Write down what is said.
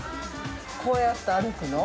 ◆こうやって歩くの？